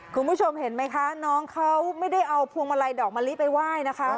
คุณผู้ชมเห็นไหมคะน้องเขาไม่ได้เอาพวงมาลัยดอกมะลิไปไหว้นะคะ